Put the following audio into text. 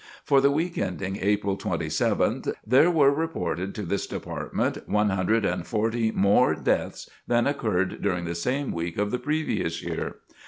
For the week ending April 27th, there were reported to this department one hundred and forty more deaths than occurred during the same week of the previous year.